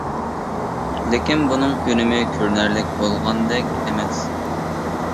لېكىن، بۇنىڭ ئۈنۈمى كۆرۈنەرلىك بولغاندەك ئەمەس.